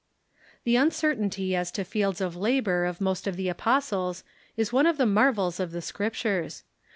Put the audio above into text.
The uncertainty as to fields of labor of most of the apostles is one of the marvels of the Scriptures.